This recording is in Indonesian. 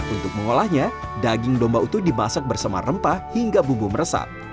untuk mengolahnya daging domba utuh dimasak bersama rempah hingga bumbu meresap